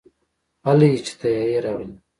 هلئ چې طيارې راغلې.